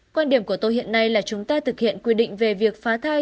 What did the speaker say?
quan điểm của tôi hiện nay là chúng ta thực hiện quy định về việc phá thai